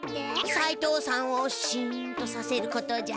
さいとうさんをシンとさせることじゃ。